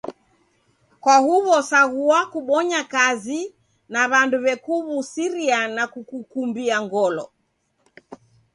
Kwa huw'o sagua kubonya kazi na w'andu w'ekuw'usiria na kukukumbia ngolo